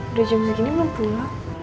udah jam segini mau pulang